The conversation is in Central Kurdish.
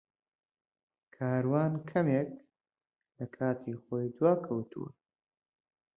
کاروان کەمێک لە کاتی خۆی دواکەوتووە.